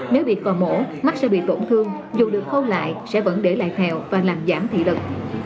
nếu bị cò mổ mắt sẽ bị tổn thương dù được khâu lại sẽ vẫn để lại theo và làm giảm thị lực